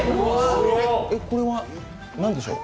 これは何でしょう？